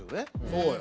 そうよ。